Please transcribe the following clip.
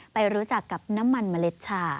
ไปรู้จักกับน้ำมันเมล็ดชา